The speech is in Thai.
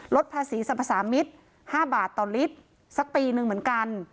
ลดภาษีสรรพสามิตร๕บาทต่อลิตรสักปีหนึ่งเหมือนกัน